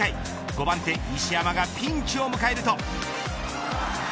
５番手石山がピンチを迎えると。